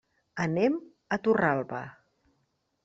Anem a Torralba.